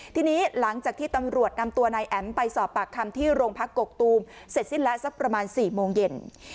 ทีนี้หลังจากที่ตำรวจนำตัวนายแอ๋มไปสอบปากคำที่โรงพักกกตูมเสร็จสิ้นแล้วสักประมาณ๔โมงเย็น